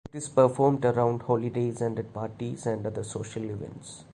It is performed around holidays and at parties and other social events.